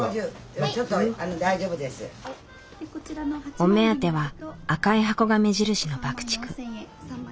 お目当ては赤い箱が目印の爆竹。